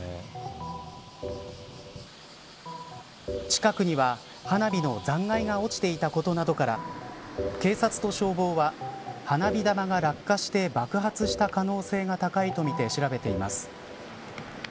近くには花火の残骸が落ちていたことなどから警察と消防は花火玉が落下して爆発した可能性が高いとみて調べています。